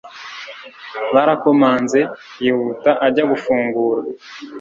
barakomanze, yihuta ajya gufungura